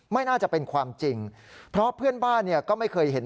ไม่น่าจะเป็นความจริงเพราะเพื่อนบ้านเนี่ยก็ไม่เคยเห็น